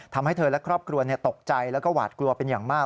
ทำให้เธอและครอบครัวตกใจแล้วก็หวาดกลัวเป็นอย่างมาก